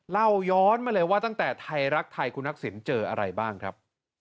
เล่าย้อนมาเลยว่าตั้งแต่ไทยรักไทยคุณทักษิณเจออะไรบ้างครับ